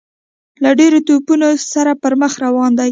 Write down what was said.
له ډیرو توپونو سره پر مخ روان دی.